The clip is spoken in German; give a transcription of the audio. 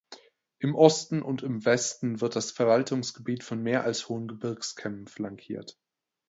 Im Osten und im Westen wird das Verwaltungsgebiet von mehr als hohen Gebirgskämmen flankiert.